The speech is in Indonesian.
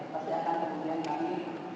pasti akan kemudian kami